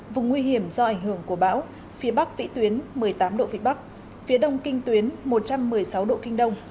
vùng nguy hiểm do ảnh hưởng của bão phía bắc vĩ tuyến một mươi tám độ vĩ bắc phía đông kinh tuyến một trăm một mươi sáu độ kinh đông